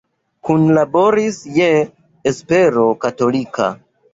Kunlaboris je Espero Katolika.